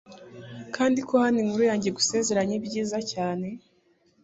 kandi ko hano inkuru yanjye igusezeranya ibyiza cyane